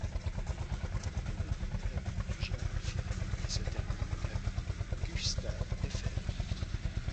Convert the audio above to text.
Elle débute avenue du Général-Ferrié et se termine avenue Gustave-Eiffel.